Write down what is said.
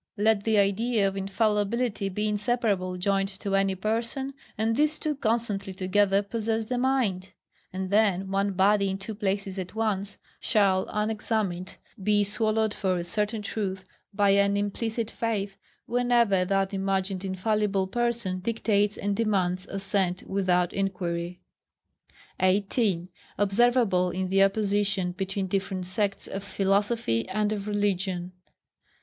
Let the idea of infallibility be inseparably joined to any person, and these two constantly together possess the mind; and then one body in two places at once, shall unexamined be swallowed for a certain truth, by an implicit faith, whenever that imagined infallible person dictates and demands assent without inquiry. 18. Observable in the opposition between different Sects of philosophy and of religion.